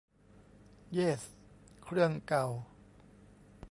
เยส เครื่องเก่า